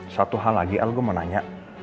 satu hal lagi yang gue mau tanya